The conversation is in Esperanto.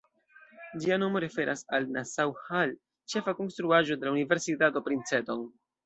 Ĝia nomo referas al la ""Nassau Hall"", ĉefa konstruaĵo de la universitato Princeton.